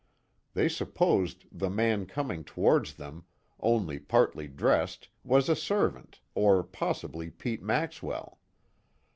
They supposed the man coming towards them, only partly dressed, was a servant, or possibly Pete Maxwell.